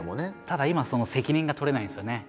ただ今その責任が取れないんですよね。